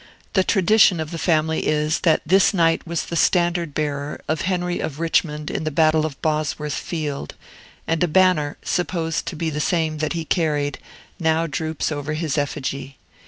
The tradition of the family is, that this knight was the standard bearer of Henry of Richmond in the Battle of Bosworth Field; and a banner, supposed to be the same that he carried, now droops over his effigy.